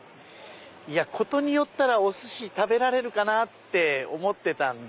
ことによったらお寿司食べられるかなと思ってたんで。